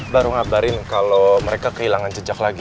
baru ngabarin kalau mereka kehilangan jejak lagi